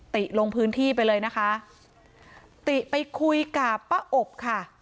ติลงพื้นที่ไปเลยนะคะติไปคุยกับป้าอบค่ะ